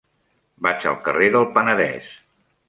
Vaig al carrer del Penedès.